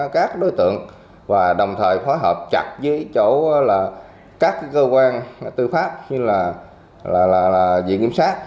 các đối tượng và đồng thời phối hợp chặt với các cơ quan tư pháp như là diện kiểm sát